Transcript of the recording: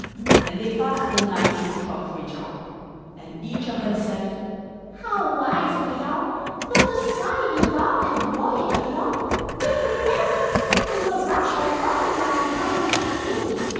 And they passed the night in a crockery jar; And each of them said, "How wise we are! Though the sky be dark, and the voyage be long, Yet we never can think we were rash or wrong, While round in our sieve we spin."